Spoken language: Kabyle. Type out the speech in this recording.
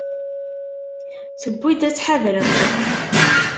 Tewwi-d ad tḥadreḍ.